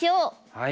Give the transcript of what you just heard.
はい。